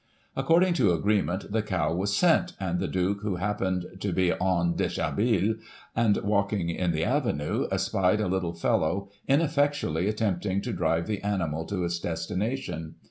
According to agreement, the cow was sent, and the Duke, who happened to be en deshabilUy and walking in the avenue, espied a little fellow ineffectually attempting to drive the animal to its destination.